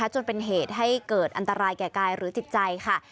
จนเป็นเหตุให้เกิดอันตรายแก่กายหรือจิตใจค่ะ